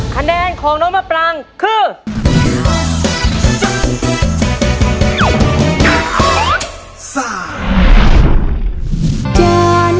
คะแนนของน้องมะปรังคือ